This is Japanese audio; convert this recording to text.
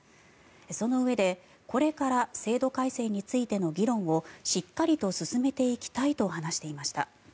そのうえで、これから制度改正についての議論をしっかりと進めていきたいと話していました。